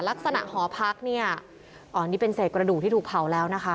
หอพักเนี่ยอ๋อนี่เป็นเศษกระดูกที่ถูกเผาแล้วนะคะ